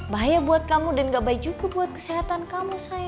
bahaya buat kamu dan gak baik juga buat kesehatan kamu sayang